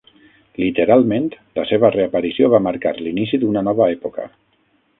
Literalment, la seva reaparició va marcar l'inici d'una nova època.